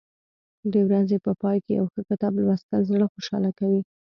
د ورځې په پای کې یو ښه کتاب لوستل زړه خوشحاله کوي.